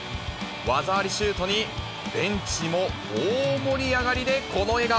技ありシュートに、ベンチも大盛り上がりで、この笑顔。